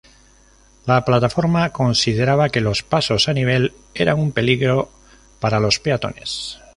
La plataforma consideraba que los pasos a nivel eran un peligro para los peatones.